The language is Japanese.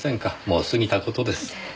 もう過ぎた事です。